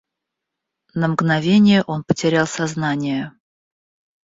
На мгновение он потерял сознание.